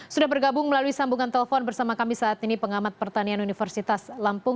sudah bergabung melalui sambungan telepon bersama kami saat ini pengamat pertanian universitas lampung